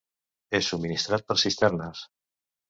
És subministrat per cisternes.